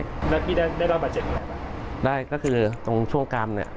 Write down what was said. แล้วพี่ได้รอบเจ็บอย่างไรบ้างได้ก็คือตรงช่วงกรรมเนี่ย